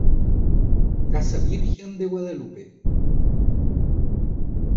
Casa Virgen de Guadalupe.